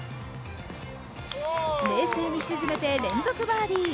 冷静に沈めて連続バーディー。